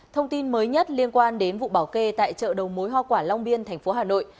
thông tin mới nhất liên quan đến vụ bảo kê tại chợ đầu mối hoa quả long biên thành phố hà nội